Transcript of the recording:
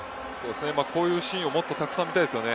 こういうシーンをもっとたくさん見たいですよね。